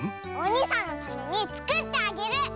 おにさんのためにつくってあげる！